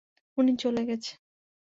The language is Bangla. উনি চলে গেছে।